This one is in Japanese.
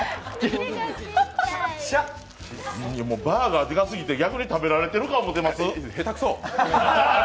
バーガーでかすぎて逆に食べられてる感も出ます。